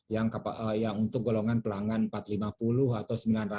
yang untuk golongan pelanggan empat ratus lima puluh atau sembilan ratus